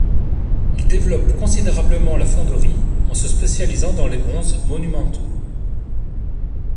Il développe considérablement la fonderie en se spécialisant dans les bronzes monumentaux.